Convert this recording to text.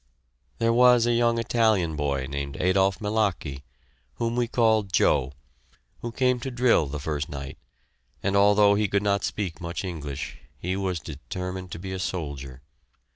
There was a young Italian boy named Adolph Milachi, whom we called "Joe," who came to drill the first night, and although he could not speak much English, he was determined to be a soldier.